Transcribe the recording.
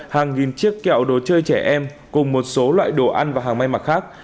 hàng nghìn chiếc kẹo đồ chơi trẻ em cùng một số loại đồ ăn và hàng may mặc khác